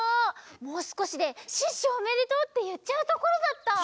もうすこしで「シュッシュおめでとう！」っていっちゃうところだった！